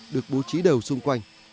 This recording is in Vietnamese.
được bố trí đều xung quanh